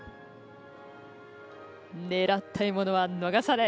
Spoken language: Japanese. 狙った獲物は逃さない。